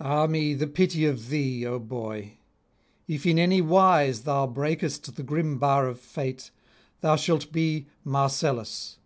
Ah me, the pity of thee, O boy! if in any wise thou breakest the grim bar of fate, thou shalt be Marcellus.